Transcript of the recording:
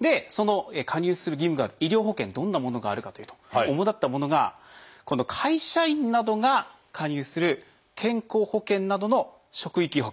でその加入する義務がある医療保険どんなものがあるかというと主だったものが会社員などが加入する健康保険などの職域保険。